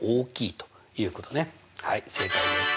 はい正解です。